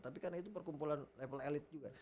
tapi karena itu perkumpulan level elit juga